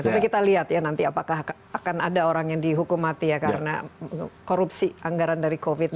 tapi kita lihat ya nanti apakah akan ada orang yang dihukum mati ya karena korupsi anggaran dari covid sembilan belas